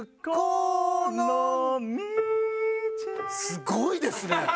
すごいですね！